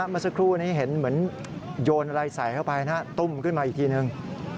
เมื่อสักครู่นี้เห็นเหมือนโยนอะไรใส่เข้าไปนะตุ้มขึ้นมาอีกทีนึง